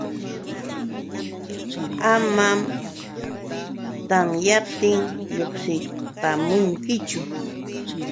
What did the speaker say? Amam tamyaptin lluqsipaakunkichu.